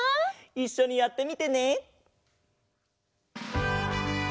いっしょにやってみてね。